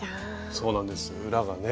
そうなんです裏がね。